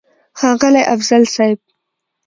ښاغلی افضل صيب!!